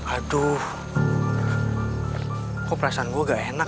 aduh kok perasaan gue ga enak ya